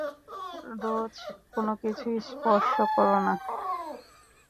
রোজ, কোনকিছু স্পর্শ করোনা।